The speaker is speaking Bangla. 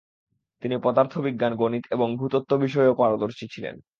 তিনি পদার্থবিজ্ঞান, গণিত এবং ভূ-তত্ত্ব বিষয়েও পারদর্শী ছিলেন।